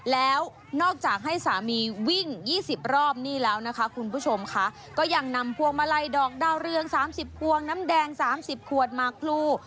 แล้วนอกจากให้สามีวิ่ง๒๐รอบนี่แล้วนะคะคุณผู้ชมค่ะก็ยังนำพวงมาลัยดอกดาวเรือง๓๐พวงน้ำแดง๓๐ขวดมากพลู